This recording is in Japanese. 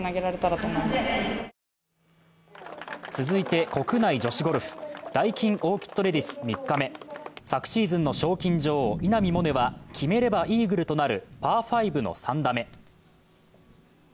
続いて国内女子ゴルフ、ダイキンオーキッドレディス３日目昨シーズンの賞金女王、稲見萌寧は決めればイーグルとなるパー５の３打目。